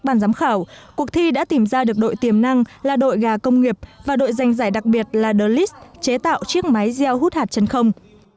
ban giám khảo cuộc thi đã tìm ra được đội tiềm năng là đội gà công nghiệp và đội giành giải đặc biệt là de lis chế tạo chiếc máy gieo hút hạt chân không